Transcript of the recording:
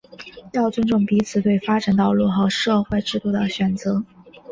要尊重彼此对发展道路和社会制度的选择